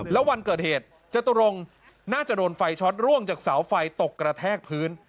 แล้ววันเกิดเหตุจตุรงค์น่าจะโดนไฟช็อตร่วงจากเสาไฟตกกระแทกพื้น